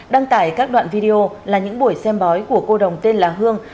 đăng tải các đoạn video là những buổi xem bói của cô đồng tên là hương